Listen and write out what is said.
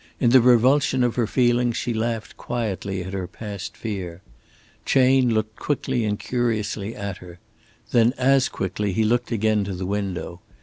In the revulsion of her feelings she laughed quietly at her past fear. Chayne looked quickly and curiously at her. Then as quickly he looked again to the window.